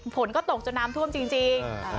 ฝนก็ตกจนน้ำท่วมจริง